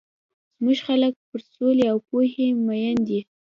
زموږ خلک پر سولي او پوهي مۀين دي.